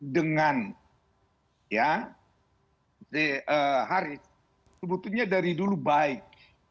dengan ya hari sebetulnya dari dulu baik